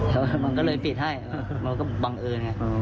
แล้วมันก็เลยปิดให้มันก็บังเอิญไง